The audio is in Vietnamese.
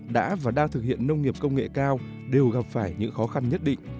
đã và đang thực hiện nông nghiệp công nghệ cao đều gặp phải những khó khăn nhất định